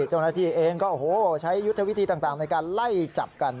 เจ้าหน้าที่เองก็โอ้โหใช้ยุทธวิธีต่างในการไล่จับกัน